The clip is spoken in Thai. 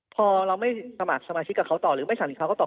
พอเราไม่สมัครสมาชิกกับเขาต่อหรือไม่สั่งเขาก็ต่อ